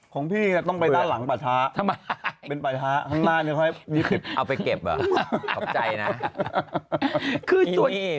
ของพี่ต้องไปตั้งหลังประท้าทำไมเป็นประท้าข้างหน้านี้ไว้เอาไปเก็บ